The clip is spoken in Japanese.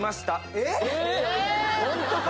えっ！？